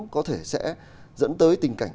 có thể sẽ dẫn tới tình cảnh